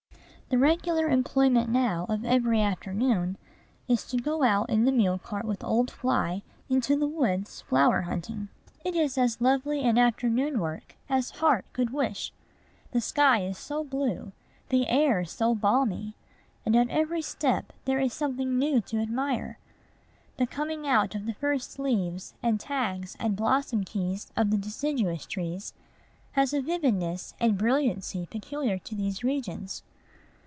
The regular employment now of every afternoon is to go out in the mule cart with old Fly into the woods, flower hunting. It is as lovely an afternoon work as heart could wish; the sky is so blue, the air so balmy, and at every step there is something new to admire. The coming out of the first leaves and tags and blossom keys of the deciduous trees has a vividness and brilliancy peculiar to these regions.